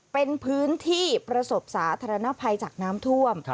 เป็นพื้นที่ประสบสาธารณภัยจากน้ำท่วม